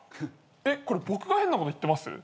えっこれ僕が変なこと言ってます？